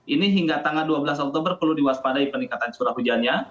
ini hingga tanggal dua belas oktober perlu diwaspadai peningkatan curah hujannya